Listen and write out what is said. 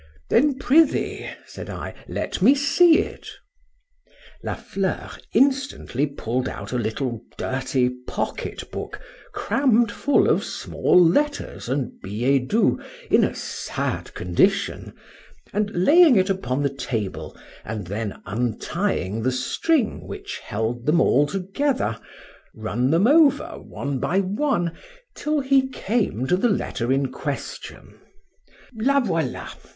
—Then prithee, said I, let me see it. La Fleur instantly pulled out a little dirty pocket book cramm'd full of small letters and billet doux in a sad condition, and laying it upon the table, and then untying the string which held them all together, run them over, one by one, till he came to the letter in question,—La voila!